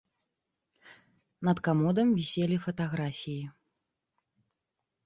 Над камодам віселі фатаграфіі.